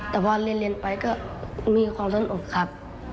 แต่พอเรียนไปก็มีความสนอกครับ